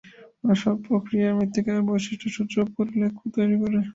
এসব প্রক্রিয়া মৃত্তিকার বৈশিষ্ট্যসূচক পরিলেখ তৈরি করে।